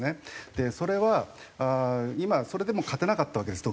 それは今それでも勝てなかったわけです